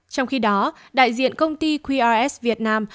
trong khi đó đại diện công ty qrs việt nam